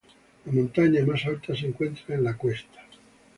La montaña más alta se encuentra en La Cuesta.